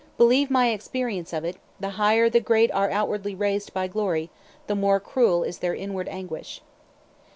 Believe my experience of it: the higher the great are outwardly raised by glory, the more cruel is their inward anguish!"